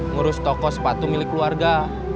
ngurus toko sepatu milik keluarga